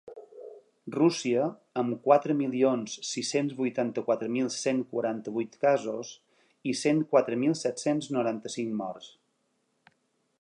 Rússia, amb quatre milions sis-cents vuitanta-quatre mil cent quaranta-vuit casos i cent quatre mil set-cents noranta-cinc morts.